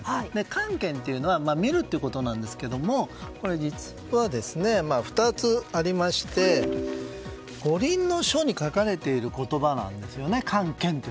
観見というのは見るということですがこれは、２つありまして「五輪書」に書かれている言葉なんです観